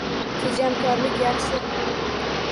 Tejamkorlik yaxshi